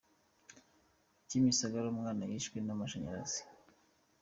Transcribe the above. Kimisagara umwana yishwe n’amashanyarazi